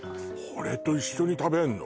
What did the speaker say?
これと一緒に食べんの？